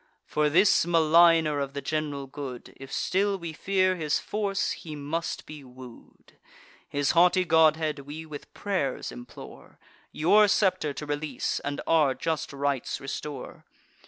For this maligner of the general good, If still we fear his force, he must be woo'd; His haughty godhead we with pray'rs implore, Your scepter to release, and our just rights restore.